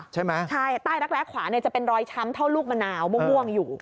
ใช่ไหมใช่ใต้รักแร้ขวาเนี่ยจะเป็นรอยช้ำเท่าลูกมะนาวม่วงอยู่